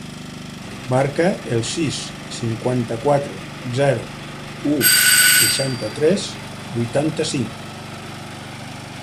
Marca el sis, cinquanta-quatre, zero, u, seixanta-tres, vuitanta-cinc.